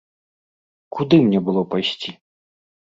Куды мне было пайсці?